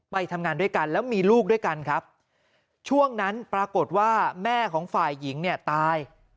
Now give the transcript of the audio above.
ไปทำงานด้วยกันแล้วมีลูกด้วยกันครับช่วงนั้นปรากฏว่าแม่ของฝ่ายหญิงเนี่ยตาย